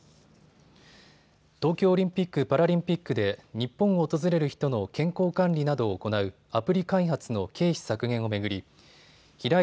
東京オリンピック・パラリンピックで日本を訪れる人の健康管理などを行うアプリ開発の経費削減を巡り平井